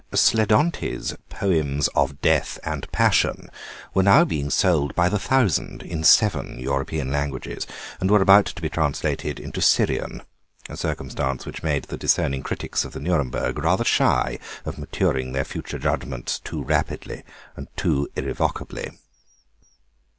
Sledonti's "Poems of Death and Passion" were now being sold by the thousand in seven European languages, and were about to be translated into Syrian, a circumstance which made the discerning critics of the Nuremberg rather shy of maturing their future judgments too rapidly and too irrevocably.